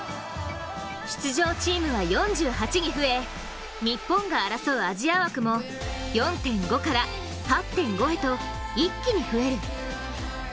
出場チームは４８に増え日本が争うアジア枠も４．５から８．５へと一気に増える。